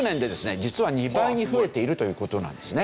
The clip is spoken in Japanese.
実は２倍に増えているという事なんですね。